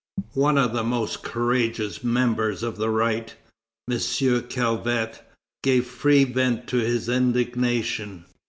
One of the most courageous members of the right, M. Calvet, gave free vent to his indignation.